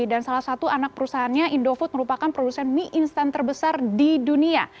dan salah satu anak perusahaannya indofood merupakan produsen mie instan terbesar di dunia